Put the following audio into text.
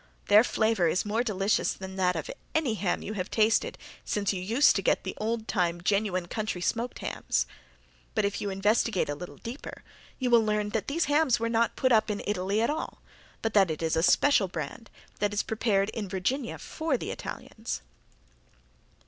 Their flavor is more delicious than that of any ham you have tasted since you used to get the old time, genuine country smoked hams. But if you investigate a little deeper you will learn that these hams were not put up in Italy at all, but that it is a special brand that is prepared in Virginia for the Italians.